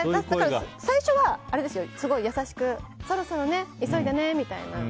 最初はすごい優しくそろそろね急いでねみたいな。